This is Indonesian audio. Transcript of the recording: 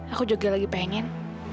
aku juga lagi pengen